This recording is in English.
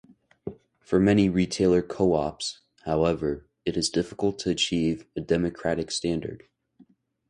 For many retailer co-ops, however, it is difficult to achieve a democratic standard.